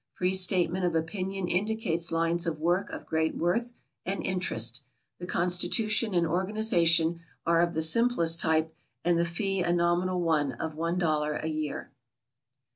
Free statement of opinion indicates lines of work of great worth and interest. The constitution and organization are of the simplest type, and the fee a nominal one of one dollar a year."